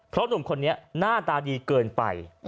เพราะหนุ่มคนนี้หน้าตาดีเกินไป